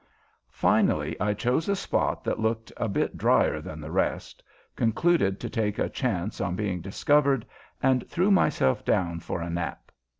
Finally I chose a spot that looked a bit drier than the rest, concluded to take a chance on being discovered, and threw myself down for a nap.